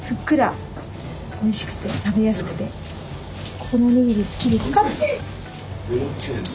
ここのおにぎり好きですか？